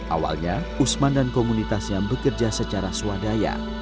awalnya usman dan komunitasnya bekerja secara swadaya